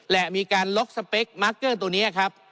และมีการล็อกสเปคมาร์คเกอร์ตัวนี้ครับ